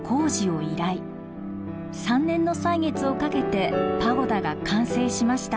３年の歳月をかけてパゴダが完成しました。